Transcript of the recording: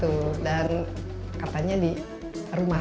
enak banget ya